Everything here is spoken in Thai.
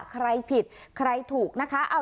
ใครผิดใครถูกนะคะ